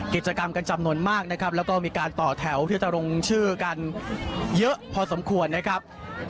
กิจกรรมกันจำนวนมากนะครับแล้วก็มีการต่อแถวที่จะลงชื่อกันเยอะพอสมควรนะครับ